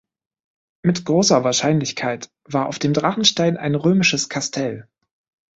Mit großer Wahrscheinlichkeit war auf dem Drachenstein ein römisches Kastell.